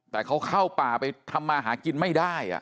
แต่เขาเข้าป่าไปทำมาหากินไม่ได้